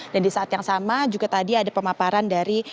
dan di saat yang sama juga tadi ada pemaparan dari